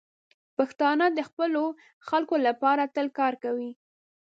پښتانه د خپلو خلکو لپاره تل کار کوي.